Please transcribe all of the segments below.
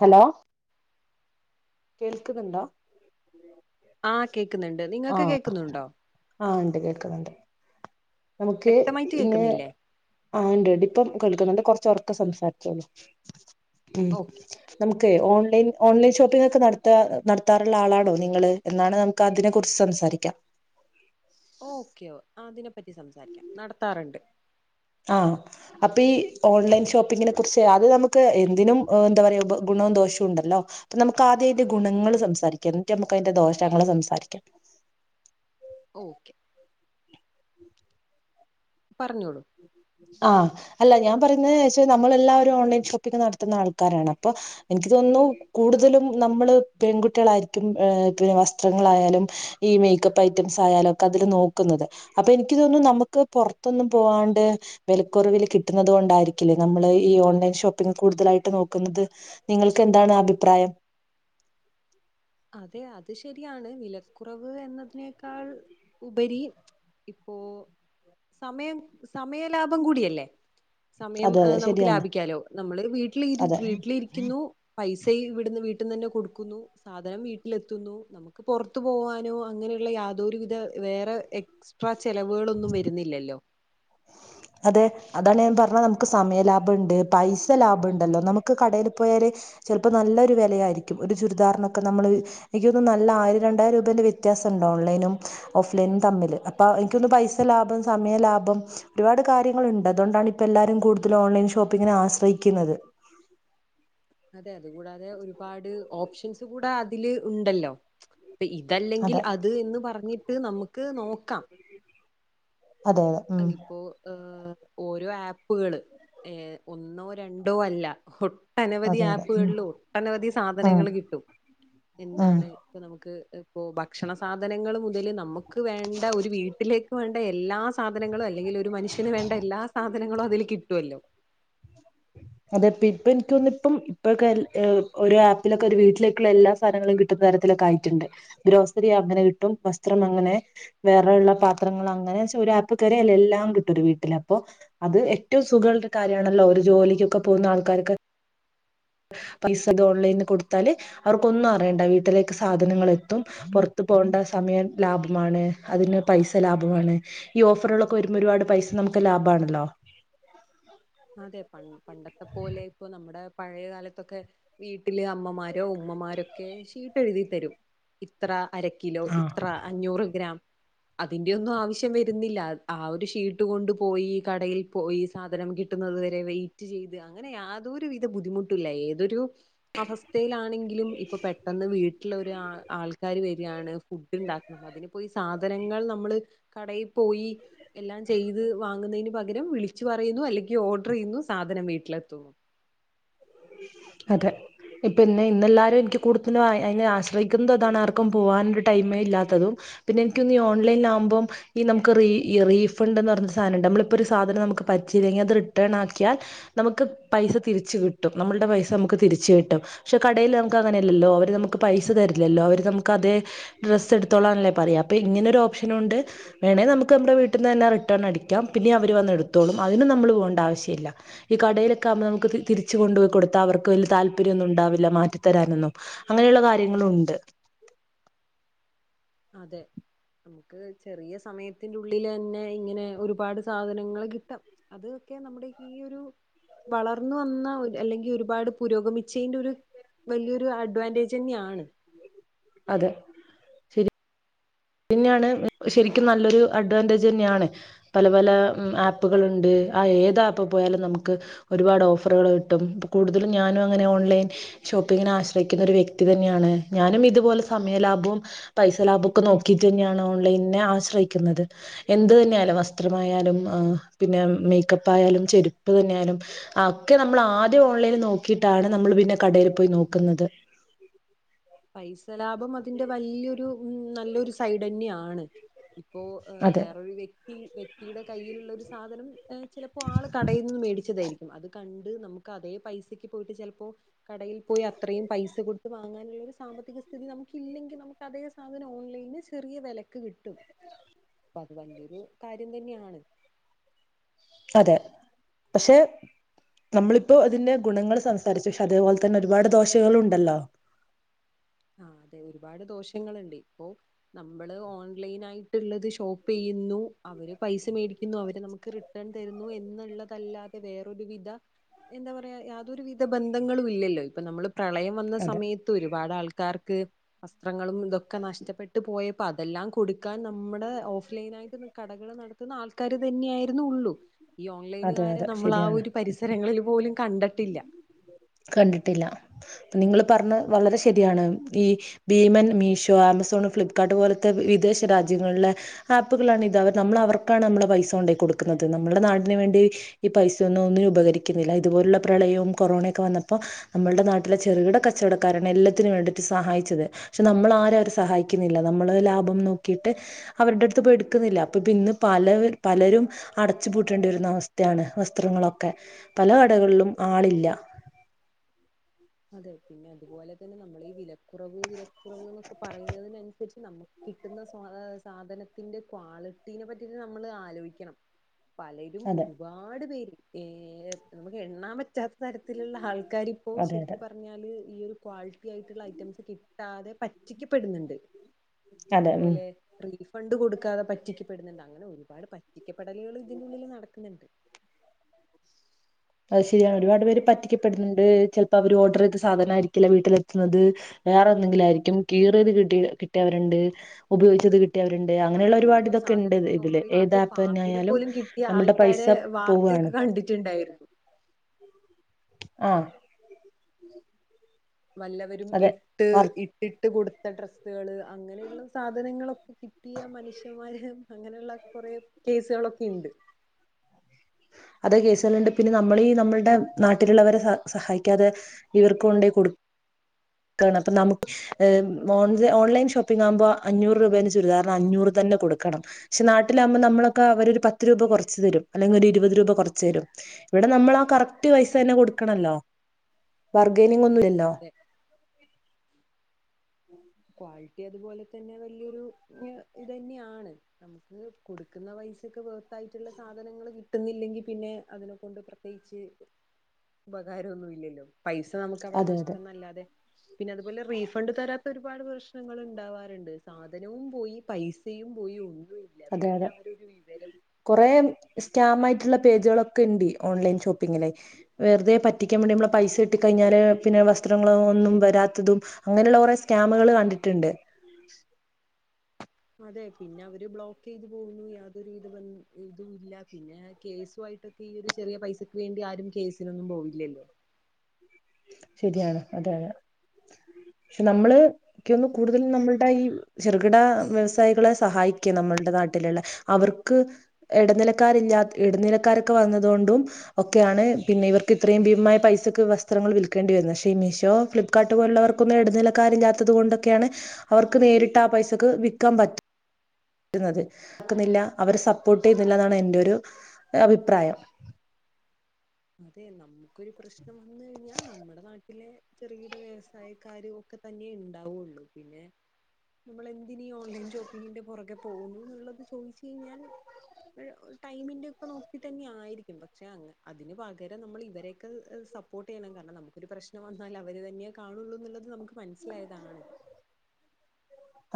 Hello കേൾക്ക്ന്നുണ്ടോ ആ കേക്ക്ന്ന്ണ്ട് നിങ്ങക്ക് കേക്കുന്നുണ്ടോ ആ ണ്ട് കേക്ക്ന്ന്ണ്ട് നമുക്ക് വ്യക്തമായിട്ട് ഇന്ന് കേക്കുന്നില്ലേ? ആ ണ്ട്ണ്ട് ഇപ്പം കേൾക്ക്ന്ന്ണ്ട് കൊർ ചൊർക്കെ സംസാരിച്ചോളി ഉം ഓക്കെ നമുക്ക് ക്കെ ഓൺലൈ ഓൺലൈൻ ഷോപ്പിങൊക്കെ നടത്ത നടത്താറുള്ള ആളാണോ നിങ്ങള് എന്നാണ് നമുക്ക് അതിനെ കുറിച്ച് സംസാ സാരിക്കാ ഓക്കെ അതിനെ പറ്റി സംസാരിക്കാ നടത്താറ്ണ്ട് ആ അപ്പൊ ഈ ഓൺലൈൻ ഷോപ്പിങ്ങിനെ കുറിച്ച് അത് നമുക്ക് എന്തിനും എന്താ പറയാ ഉ ഗു ണോം ദോഷോണ്ടല്ലോ അപ്പൊ നമുക്ക് ആദ്യ ഈ ന്റെ ഗുണങ്ങള് അത് സംസാരിക്കാം എന്നിട്ട നമുക്ക് അയ്ന്റെ ദോഷങ്ങള് സംസാരിക്കാ ഓക്കെ പറഞ്ഞോളൂ ആഹ് അല്ല ഞാൻ പറുന്നേച്ച നമ്മൾ എല്ലാവരും ഓൺലൈൻ ഷോപ്പിംഗ് നടത്തുന്ന ആൾക്കാരാണ് അപ്പൊ എനിക്ക് ചെ തൊന്നു കൂടുതലും നമ്മള് പെൺകുട്ടികളായിരിക്കും ഏഹ് പിന്നെ വസ്ത്രങ്ങളായാലും ഈ മേ ഇഗത്തെ ഐറ്റംസായാലൊക്കെ അതില് നോക്കുന്നത്. അപ്പൊ ഇൻക്ക് തോന്നു നമ്മക്ക് പൊർത്ത്ന്ന് പോവാാണ്ട് വിലക്കുറവിൽ കിട്ടുന്നത് കൊണ്ടായിരിക്കില്ലേ നമ്മള് ഈ ഓൺലൈൻ ഷോപ്പിംഗ് കൂടുതലായിട്ട് നോക്കുന്ന ത് നിങ്ങൾക്ക് എന്താണ് അഭിപ്രായം? അതെ അത് ശരിയാണ് വിലക്കുറവ് എന്നതിനേക്കാൾ ഉപരി ഇപ്പോ സമയം സമയ ലാഭം കൂടിയല്ലേ സമയം അതെ അതെ ഏഹ് നമുക്ക് ശരിയാണ് ലാഭിക്കാലോ നമ്മള് വീട്ടില് രു അതെ വീട്ടിലിരിക്കുന്നു പൈസ ചെയ്യ് ഇവിട്ന്ന് വീട്ട്ന്നെന്നെ കൊടുക്കുന്നു സാധനം വീട്ടിലെത്തുന്നു. നമുക്ക് പൊറത്ത് പോവാനോ അങ്ങനെയുള്ള യാതൊരുവിധ വേറെ എക്സ്ട ട്രാ ചെലവുകളൊന്നും വരുന്നില്ലല്ലോ അതെ അതാണ് ഞാൻ പറഞ്ഞത് നമുക്ക് സമയ ലാഭംുണ്ട് പൈസ ലാഭംുണ്ടല്ലോ നമുക്ക് കടയിൽ പോയാല് ചിലപ്പോ നല്ലൊ ഒരു വിലയായിരിക്കും ഒരു ചുരിദാറിനൊക്കെ നമ്മള് എനക്ക്ൊന്നും നല്ല ആയിരം രണ്ടായിരം രൂപേന്റെ വ്യത്യാസം ഓൺലൈനും ഓഫ്ലൈനും തമ്മിൽ അപ്പോൾ എനിക്കൊന്ന് പൈസ ലാഭം സമയ ലാഭം ഒരുപാട് കാര്യങ്ങളുണ്ട് അതുകൊണ്ടാണ് ഇപ്പ എല്ലാരും കൂടുതല ഓൺലൈൻ ഷോപ്പിങ്ങിനെ ആശ്രയിക്കുന്നത് അതെ അത കൂടാതെ ഒരുപാട് ഓപ്ഷൻസ് കൂടെ അതില് ഉണ്ടല്ലോ അപ്പൊ ഇതല്ലെങ്കിൽ അതെ അത് എന്ന് പറഞ്ഞിട്ട് നമുക്ക് നോക്കാം അതെ അതെ അ ഉം ഇപ്പോൊ ആഹ് ഓരോ ആപ്പുകള് ഏ ഒന്നോ രണ്ടോ അല്ല ഒട്ടനവധി അതെ അതെ ഉം ആപ്പുകളിലോ ഒട്ടനവധി ഉം സാധനങ്ങൾ കിട്ടും ഉം എന്താണ് ഇപ്പ നമുക്ക് ഇ ഭക്ഷണ സാധനങ്ങൾ മുതല് നമുക്ക് വേണ്ട ഒരു വീട്ടിലേക്ക് വേണ്ട എല്ലാ സാധനങ്ങളോ അല്ലെങ്കിൽ ഒരു മനുഷ്യന് വേണ്ട എല്ലാ സാധനങ്ങളും അതില് കിട്ടുമല്ലോ അതെ ഇപ്പ എനിക്ക്ൊന്നിപ്പം ഇപ്പൊക്കെ ഒരു ആപ്പിലൊക്കെ ഒരു വീട്ടിലേക്കുള്ള എല്ലാ സാധനങ്ങളും കിട്ടുന്ന തരത്തി കായിട്ടണ്ട് ക്രോസറി അങ്ങനെ കിട്ടും വസ്ത്രം അങ്ങനെ വേറെ ഉള്ള പാത്രങ്ങൾഅങ്ങനെ പ്പരല്ല എല്ലാം കിട്ടൂ ഒരു വീട്ടില അപ്പൊ അത് ഏറ്റവും സുഖമ ഒരു കാര്യമാണല്ലോ ഒരു ജോലിക്ക് കപൂർ ന കക്ക പൈസ ഇത് ഓൺലൈനിൽ കൊടുത്താല് അവർക്ക്ൊന്നും അറിയണ്ട വീട്ടിലേക്ക് സാധനങ്ങൾ എത്തും പുറ പോകേണ്ട സമയം ലാഭമാണ് അതിന് പൈസ ലാഭമാണ് ഈ ഓഫറുകളൊക്കെ വരുമ്പോൾ ഒരുപാട് പൈസ നമുക്ക് ക്കെ ലാഭണല്ലോ അതെ പ പണ്ടത്തെ പോലെ ഇപ്പൊ നമ്മുടെ പഴയ കാലത്തൊക്കെ വീട്ടില് അമ്മമാരോ ഉമ്മമാരൊക്കെ ഷീട്ടഴുതി തരും ഇത്ര അരക്കിലോ ഇത്ര അഞ്ഞൂറ് ഗ്രാം ഉ [inaudible] അതിന്റെ ഒന്നും ആവശ്യം വരുന്നില്ല ആ ഒരു ഷീട്ട് കൊണ്ട് പോയി കടയിൽ പോയി സാധനം കി കിട്ടുന്നത് വരെ വെയിറ്റ് ചെയ്ത് അങ്ങനെ യാതൊരു വിധ ബുദ്ധിമുട്ടില്ല ഏതൊരു അവസ്ഥയിലാണെങ്കിലും ഇപ്പൊ പെട്ടെന്ന് വീട്ടില ആൾക്കാര് വരാണ് ഫുഡ് ഉണ്ടാക്കനം അതിന്പ്പോ സാധനങ്ങൾ നമ്മള് കടയിൽ പോയി എല്ലാം ചെയ്ത് വാങ്ങുന്നതിന് പകരം വിളിച്ചു പറയുന്നു അല്ലെങ്കിൽ ഓർഡർ ചെയ്യുന്നു സാധനം വീട്ടിലെത്തുന്നു അതെ ഇപ്പന്നെ ഇന്നെല്ലാവരും എനിക്ക് കൂടുതലും അതിനെ ആശ്രയിക്കുന്നും അതാണ് ആർക്കും പോകാനൊ ഒരു ടൈമേ ഇല്ലാത്തതും പിന്നെ എനിക്കൊന്ന് ഓൺൈനൽ ആകുമ്പോ ഈ നമുക്ക് ഈ റീഫണ്ട്ന്ന് പറ സാധനണ്ട് നമ്മളപ്പോൊ ഒരു സാധനം നമുക്ക് പറ്റില്ലെങ്കിൽ അത് റിട്ടേൺ ആക്കിയാൽ നമുക്ക് പൈസ തിരിച്ച കിട്ടും കിട്ടും നമ്മളുടെ പൈസ നമുക്ക് തിരിച്ച കിട്ടും പക്ഷെ കടയിൽ നമുക്ക് അങ്ങനെയല്ലോ അവര് നമുക്ക് പൈസ തരില്ലോ അവ നമക്ക് അത് ഡ്രസ്സ് എടുത്തോളാണല്ലേ പറയാ അപ്പൊ ഇങ്ങനൊ ഒരു ഓപ്ഷൻ ഉണ്ട് വേണെനമുക്ക് നമ്മുടെ വീട്ടിൽ നിന്ന്ന്നെ റിട്ടേൺ ടിക്കാം പിന്നെ അവർ വന്ന എടുത്തോളും അതിനും നമ്മൾ പോകണ്ടവശ്യമില്ല ഈ കടയിലൊക്ക ആകുമ്പോ നമുക്ക് തി വച്ച കൊണ്ടുപോയി കൊടു അവർക്ക് വലിയ താല്പര്യൊന്നും ഉണ്ടാവില്ല മാറ്റിത്തരാനൊന്നും അങ്ങനെയുള്ള കാര്യങ്ങളുണ്ട് [inaudible] അതെ നമുക്ക് ചെറിയ സമയത്തിന്റെ ഉള്ളില് തന്നെ ഇങ്ങനെ ഒരുപാട് സാധനങ്ങൾ കിട്ടാം അത് നമ്മുടെ ഈ ഒരു വളർന്നു വന്ന അല്ലെങ്കിൽ ഒരുപാട് പുരോഗമിച്ചതിന്റെ ഒരു വലിയൊരു അഡ്വാൻറേജ് തന്നെയാണ് അതെ ശരി ഇന്നെയാണ് ശരിക്കും നല്ലൊരു അഡ്വാൻറേജന്നെയാണ് പല പല ആപ്പുകളുണ്ട് ആ ഏത് ആപ്പ് പോയാലും നമുക്ക് ഒരുപാട് ഓഫറുകൾ കിട്ടും കൂടുതലും ഞാനും അങ്ങനെ ഓൺലൈൻ ഷോപ്പിംഗിനെ ആശ്രയിക്കുന്ന ഒരു വ്യക്തി തന്നെയാണ് ഞാനും ഇതുപോലെ സമയ ലാഭവും പൈസ ലാഭവും ഒക്കെ നോക്ക ക്കി തന്നെയാണ് ഓൺലൈനെ ആശ്രയിക്കുന്നത് എന്ത് തന്നെയാലും വസ്ത്രമായാലും പിന്നെ മേക്കപ്പ് ആയാലും ചെരുപ്പ് തന്നെയായാലും ഒക്കെ നമ്മൾ ആദ്യം ഓൺലൈനിൽ നോക്കിയിട്ടാണ് നമ്മൾ പിന്നെ കട പോയി നോക്കുന്നത് പൈസ ലാഭം അതിന്റെ വല്യൊരു ഉം നല്ലൊരു സൈഡ്ന്നെയാണ് ഇപ്പോ എഹ് അതെ വേറൊരു വ്യക്തി വ്യക്തിയുടെ കയ്യിലുള്ള ഒരു സാധനം എഹ് ചിലപ്പോ ആൾ കടയിൽ നിന്ന് മേടിച്ചതായിരിക്കും. അത് കണ്ട് നമുക്ക് അതേ എഹ് പൈസക്ക് പോയിട്ട് ചിലപ്പോ കടയിൽ പോയി അത്രയും പൈസ കൊടുത്ത് വാങ്ങാനുള്ള രു സാമ്പത്തിക സ്ഥിതി നമുക്ക് ഇല്ലെങ്കിൽ നമുക്ക് അതേ സാധനം ഓൺലൈന് ചെറിയ വിലക്ക് കിട്ടും. അപ്പൊ അത് വല്യൊരു കാര്യം തന്നെയാണ്. അതെ പക്ഷെ നമ്മളിപ്പോ അതിന്റെ ഗുണങ്ങൾ സംസാരിച്ചു. ക്ഷെ അതേപോലെ തന്നെ ഒരുപാട് ദോശകൾ ഉണ്ടല്ലോ. ആഹ് അതെ ഒരുപാട് ദോഷങ്ങളുണ്ട ഇപ്പോ നമ്മള് ഓൺലൈൻ ആയിട്ടുള്ളത് ഷോപ്പെയ് യുന്നു. അവര് പൈസ മേടിക്കുന്നു. അവര് നമുക്ക് റിട്ടേൺ തരുന്നു. എന്നുള്ളതല്ലാതെ വേറൊരു വിധ എന്താ പറയാ യാതൊരു വിധ ബന്ധങ്ങളും ഇല്ലല്ലോ ഇപ്പൊ നമ്മള് പ്രളയം വന്ന അതെ സമയത്ത് ഒരുപാട് ആൾക്ക് വർക്ക് വസ്ത്രങ്ങളും ഇതൊക്കെ നഷ്ടപ്പെട്ട് പോയപ്പോ അതെല്ലാം കൊടുക്കാൻ നമ്മുടെ ഓഫ് ലൈനായി [unintelligible] കടകള് നട ക്കുന്ന ആൾക്കാര് തന്നെയായിരുന്നു ഉള്ളൂ ഈ അതെ ഓൺലൈനുകാരെ അതെ നമ്മളാ ശരിയാണ് ഒരു പരിസരങ്ങളിൽ പോലും കണ്ടട്ടില്ല. ഇപ്പം നിങ്ങള് പറഞ്ഞ വളരെ ശരിയാണ് ഈ ഭീമൻ, മീഷോ, ആമസോൺ, ഫ്ലിപ്കാർട്ട് പോലത്തെ വിദേശ രാജ്യങ്ങളിലെ ആപ്പുകളാണ് ഇത് നമ്മൾ അവർക്കാണ് നമ്മളെ പൈസ കൊണ്ടോയി കൊടുക്കുന്നത് നമ്മുടെ നാടി ക്കാൻ വേണ്ടി ഈ പൈസയൊന്നും ഒനിന്നും ഉപകരിക്കുന്നില്ല, ഇതുപോലുള്ള പ്രളയോം കൊറോണയൊക്കെ വന്നപ്പോൾ നമ്മുടെ നാട്ടിലെ ചെറുകിട കച്ചവടക്കാരാണ് എല്ലാത്തിന് വേണ്ടിയിട്ട് സഹായിച്ചത്. പക്ഷെ നമ്മള് ആരും അവരെ ആരും അവരെ സഹായിക്കുന്നില്ല നമ്മള് ലാഭം നോക്കിയിട്ട് അവരുടെ അടുത്ത് പോയി എടുക്കുന്നില്ല അപ്പൊ ഇന്നിപ്പ് പലവ പലരും അടച്ചു പൂട്ടേണ്ടി വരുന്ന അവസ്ഥയാണ് വസ്ത്രങ്ങളൊക്കെ പല കടകളിലും ആളില്ല. അതെ പിന്നെ അതുപോലെ തന്നെ നമ്മളീ ഈ വിലക്കുറവ് വിലക്കുറവ് എന്നൊക്കെ പറയുന്നതിനനുസരിച്ച് നമ്മ കിട്ടുന്ന സ സാധനത്തിന്റെ ക്വാളിറ്റീനെ പറ്റിയൊക്കെ നമ്മള് ആലോചിക്കണം പലരും അതെ ഒരുപാട് പേര് ഏഹ് നമ്മക്ക് എണ്ണാൻ പറ്റാത്ത തരത്തിലുള്ള ആൾക്കാരിപ്പോ അതെ ശരിക്ക് അതെ പറഞ്ഞാല് ഈ ഒരു ക്വാളി [unintelligible] ആയിറ്റ്ള്ള ഐറ്റംസ് കിട്ടാതെ പറ്റിക്കപ്പെടുന്നുണ്ട് അതെ ഉം അതുപോലെ [unintelligible] ഫണ്ട് കൊടുക്കാതെ പറ്റിക്കപ്പെടുന്നുണ്ട് അങ്ങനെ ഒരുപാട് പറ്റിക്കപ്പെടലുകൾ ഇതിൻ്റെ ഉള്ളിൽ നടക്കുന്നുണ്ട് അത് ശരിയാ ഒരുപാട് പേര് പറ്റിക്കപ്പെടുന്നുണ്ട് ചിലപ്പോ അവര് ഓർഡർ ചെയ്ത സാധനായിരിക്കില്ല വീട്ടിലെത്തുന്നത്. വേറെ എന്തെങ്കിലും ആയിരിക്കും, കീറിയത് കിട്ടി കിട്ടിയവരുണ്ട്, ഉപയോഗിച്ചത് കി ട്ടിയവരുണ്ട് അങ്ങനെയുള്ള അത് ഒരുപാട് ഓരോ ഇതൊക്കെ ഇണ്ട് സാധനം ഇ ഇതില് ഓർഡർ ചെയ്തപ്പോ ഏതാപ്പ് പാമ്പിനെ തന്നെയായാലും നമ്മൾടെ പൈസ പോവാ ക്കെ കണ്ടിറ്റ്ണ്ടായിരുന്നു. ആഹ് വല്ലവരും അതെ ഇട്ട് ഇട്ടിട്ട് കൊടുത്ത ഡ്രെസ്സുകള് അങ്ങനെയുള്ള സാധനങ്ങളൊക്കെ കിട്ടിയാ മനുഷ്യന്മാര് അങ്ങനെയുള്ള കൊറെ കേസുകളൊക്കെണ്ട് അത് കേസുകളുണ്ട് പിന്നെ നമ്മളീ നമ്മളുടെ നാട്ടിലുള്ളവരെ സ സഹായിക്കാതെ ഇവർക്ക് കൊണ്ടേയ് കൊടു ക്കാണ് അപ്പം നമുക്ക് ഏഹ് ഓൺ ഓൺലൈൻ ഷോപ്പിംഗാവുമ്പൊ അഞ്ഞൂറ് രൂപേന്റെ ചുരിദാർ ന് അഞ്ഞൂറ് തന്നെ കൊടുക്കണം പക്ഷെ നാട്ടിലാകുമ്പം നമ്മളൊക്കെ അവരൊരു പത്ത് രൂപ കൊറച്ച് തരും അല്ലെങ്കിൽ ഒരു ഇരു ഇരുപതു രൂപ കൊറച്ചു തരും ഇവി ടെ നമ്മളാ കറക്ട് പൈസ തന്നെ കൊടുക്കണല്ലോ വർ ലൈനിങ് ഒന്നുല്ലല്ലോ അതെ ക്വാളിറ്റി അതുപോലെ തന്നെ വലിയൊരു ഇത് തന്നെയാണ് നമുക്ക് കൊടുക്കുന്ന പൈ സക്ക് വെറത്തായിട്ടുള്ള സാധനങ്ങള് കിട്ടുന്നില്ലെങ്കിൽ പിന്നെ അതിനെ കൊണ്ട് പ്രത്യേകിച്ച് ഉപകാരൊന്നും ഇല്ലല്ലോ പൈസ നമുക്ക് അവിടെ അതെ അതെ നഷ്ടംന്നല്ലാതെ പിന്നെ അതുപോലെ റീഫണ്ട് തരാത്ത ഒരു ഒരുപാട് പ്രശ്നങ്ങൾ ഉണ്ടാവാറുണ്ട് സാധനവും പോയി പൈസയും പോയി ഒ അതെ അതെ കൊറേ സ്കാമായ്ട്ട് [unintelligible] പേജുകളൊക്കെ ണ്ട് ഓൺലൈൻ ഷോപ്പിങ്ങിലെയ് വെറുതെ പറ്റിക്കാൻ വേണ്ടി നമ്മളെ പൈസ കിട്ടി കഴിഞ്ഞാല് പിന്നെ വസ്ത്രങ്ങളും ഒന്നും വരാത്തതും അങ്ങനെയുള്ള കുറെ സ്റ്റാമുകള് കണ്ടിട്ടുണ്ട് അതെ പിന്നെ അവര് ബ്ലോക്ക്യ്ത് പോകുന്നു യാതൊരുവിധ ബൻ ഇതും ഇല്ല പിന്നെ കേസ് [unintelligible] ഈ ഒരു ചെറിയ പൈസക്ക് വേണ്ടി ആരും കേസിനൊന്നും പോവില്ലല്ലോ ശരിയാണ് അതെയതെ പക്ഷെ നമ്മള് ക്കൊന്ന് കൂടുതല് നമ്മൾടെ ഈ ചെറുകിട വ്യവസായികളെ സഹായിക്കണം നമ്മൾടെ നാട്ട [unintelligible] അവർക്ക് ഇടനിലക്കാരില്ലാ ഇടനിലക്കാരൊക്കെ വന്നതൊണ്ടും ഒക്കെയാണ് പിന്നെ ഇവർക്ക് ഇത്രയും ഭീമമായ പൈസൊക്കെ പാത്രങ്ങൾ വിൽക്കേണ്ടിവരുന്നെ പക്ഷേ മീഷോ ഫ്ലിപ്കർട്ട് പോലുള്ളവർക്കൊന്നും ഇടനിലക്കാരി ഇല്ലാത്തത്കൊണ്ടൊക്കെയാണ് അവർക്ക് നേരിട്ട് ആ പൈസക്ക് വിക്കാൻ പറ്റും [unintelligible] ക്കുന്നില്ല അവരെ സപ്പോട്ട് ചെയ്യുന്നില്ല എന്നാണ് എന്റെ ഒരു അഭിപ്രായം അതെ നമുക്കൊരു പ്രശ്നം വന്ന് കഴിഞ്ഞാ നമ്മടെ നാട്ടി ലെ ചെറുകിട വ്യവസായക്കാര് ഒക്കെ തന്നെ ഉണ്ടാവോള്ളു പിന്നെ നമ്മള് എന്തിനീ ഓൺലൈൻ ജോബിങ്ങിന്റെ പോറകെ പോകുന്നു ന്ന്ള്ളത് ചോയ്ച്ച് കഴിഞ്ഞാൽ ടൈമിന്റെ ഒക്കെ നോക്കി തന്നെ ആയിരിക്കും പക്ഷെ അങ്ങ അതിന് പകരം നമ്മള് ഇവരെയൊക്കെ സപ്പോർട്ട് ചെയ്യണം കാരണംനമുക്കൊരു പ്രശ്നം വന്നാല് അവര് തന്നെ കാണുന്നൂന്നുള്ളത് നമുക്ക് മനസ്സിലായതാണ്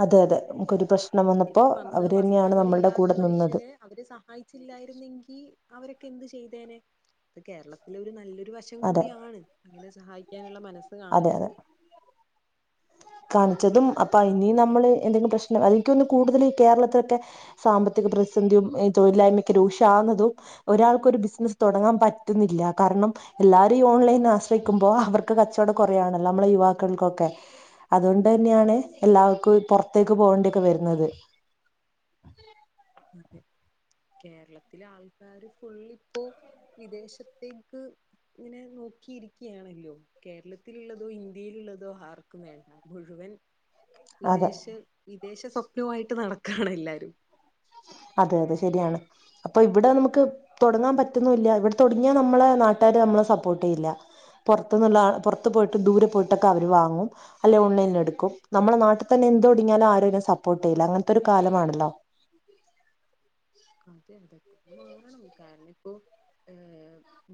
അതെ അതെ മുക്കൊരു പ്രശ്നം വന്നപ്പോ ശരിക്കും അന്ന് അവര് തന്നെയാണ് നമ്മളുടെ കൂടെ നിന്നത് ല്ലായിരുന്നെങ്കി അവരൊക്കെ എന്ത് ചെയ്തേനെ കേരളത്തില് ഒരു നല്ലൊരു ഒരു വശം അതെ കൂടിയാണ് അങ്ങനെ സഹായിക്കാനുള്ള മനസ്സ് അതെ അതെ കാണിച്ചത് കാണിച്ചതും അപ്പൊ അയ്ന് നമ്മള് എന്തോക്കെ പ്രശ്നം അല്ലേങ്കി ഒന്ന് കൂടുതല് ഈ കേരളത്ത്തോട്ടെ സാമ്പത്തി പ്രതിസന്ധിയും തൊഴിലായ്മയ്ക്ക് രൂക്ഷവുന്നതും ഒരാൾക്ക് ഒരു ബിസിനസ്സ് തുടങ്ങാൻ പറ്റുന്നില്ല കാരണം എല്ലാരും ഓൺലൈൻ ആശ്രയിക്കുമ്പോ അവർക്ക് കച്ചോടം കോറയണല്ലോ നമ്മളെ യുവാക്കൾക്കൊക്കെ അതുകൊണ്ട് ന്നെയാണ് എല്ലാവർക്കും പോറത്തേക്ക് പോകേണ്ടിക്കെ വരുന്നത് ഒക്കെ [inaudible] കേരളത്തിലെ ആൾക്കാര് ഫുള്ള് ഇപ്പോ വിദേശത്തേക്ക് ഇങ്ങനെ നോക് കിരികാണല്ലോ കേരളത്തിലുള്ളതോ ഇന്ത്യയിലുള്ളതോ ആർക്കും വേണ്ട മുഴുവൻ അതെ വിദേശ വിദേശ സ്വപ്നായിട്ട് നടക്കാണ് എല്ലാരും അതെ അതെ ശരിയാണ് അപ്പൊ ഇവിടെ നമുക്ക് തോടങ്ങാൻ പറ്റുന്നുല്ല ഇവിടെ തുടങ്ങിയാ നമ്മള് നാട്ട [unintelligible] നമ്മളെ സപ്പോർട്ട് ചെയ്ല്ല പോറത്തുന്ന് പുറത്ത് പോയിട്ട് ദൂരെ പോയിട്ടൊക്കെ അവര് വാങ്ങും അല്ലെ ഓൺലൈനിൽ എടുക്കും നമ്മളെ നാട്ടിൽ തന്നെ എന്ത് ഒടിഞാലും ആരും എനെ സപ്പോട്ട് ചെയ്യില്ല അങ്ങനത്തെ ഒരു കാലമാണല്ലോ അതെ അതെക്കെ മാറണം കാരണം ഇപ്പോ ഏ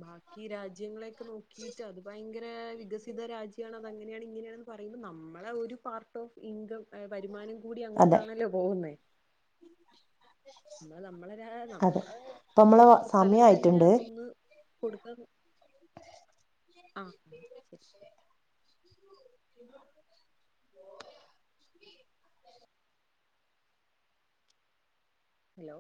ബാക്കി രാജ്യങ്ങളെ നോക്കിട്ട് അത് ഭയങ്കര ന്നെ വികസിത രാജ്യാണ് അത്ങ്ങനെയാണ് ഇങ്ങനെയാണ് പറയുമ്പോ നമ്മളെ ഒരു പാർട്ട് ഓഫ് ഇൻകം വരുമാനം കൂടി അതെ അങ്ങോട്ടാണല്ലോ പോകുന്നേ ന്നാ നമ്മളരാ അതെ നമ്മള് അപ്പൊ നമ്മളെ സ്ഥലത്തന്നെ സമയായിട്ടുണ്ട് അതൊന്ന് കൊടുക്ക ആ ശരി [unintelligible] ഹലോ